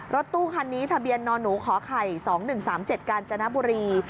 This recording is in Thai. รถตู้คันนี้ทะเบียนนหนูขอไข่๒๑๓๗กาญจนบุรี